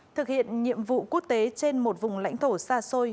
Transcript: thực hiện nhiệm vụ quốc tế trên một vùng lãnh thổ xa xôi